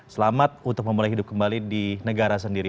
selamat untuk memulai hidup kembali di negara sendiri